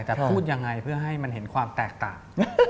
จะพูดยังไงเพื่อให้มันเห็นความแตกต่าง